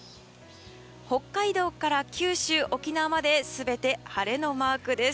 北海道から九州・沖縄まで全て晴れのマークです。